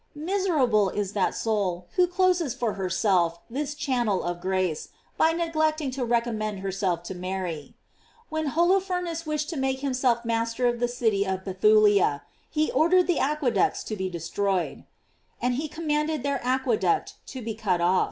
* Miserable is that soul who closes for her self this channel of grace, by neglecting to recommend herself to Mary! When Holopher nes wished xto make himself master of the city of Bethulia, he ordered the aqueducts to be de stroyed: " And he commanded their aqueduct to be cut off."